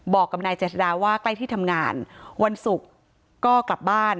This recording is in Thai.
บอกกับนายเจษฎาว่าใกล้ที่ทำงานวันศุกร์ก็กลับบ้าน